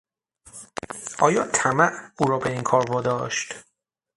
آیا طمع او را به این کار واداشت؟